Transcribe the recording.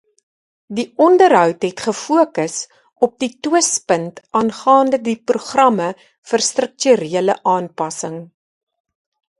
Die onderhoud het gefokus op die twispunt aangaande die programme vir strukturele aanpassing.